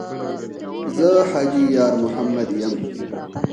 ـ زه حاجي یارمحمد یم.